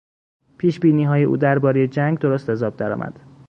پیشبینیهای او دربارهی جنگ درست از آب درآمد.